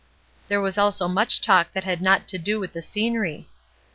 There was also much talk that had not to do with the scenery.